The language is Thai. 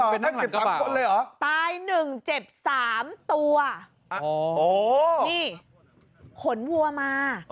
นั่งหลังกระบะหรอตาย๑เจ็บ๓ตัวนี่ขนวัวมา